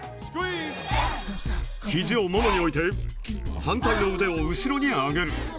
肘をももに置いて反対の腕を後ろに上げる。